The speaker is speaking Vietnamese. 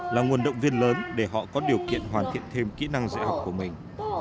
là nguồn động viên lớn để họ có điều kiện hoàn thiện thêm kỹ năng dạy học của mình